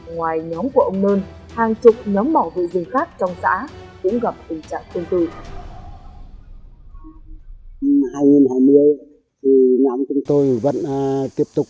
ngoài nhóm của ông nơn hàng chục nhóm bảo vệ rừng khác trong xã cũng gặp tình trạng tương tự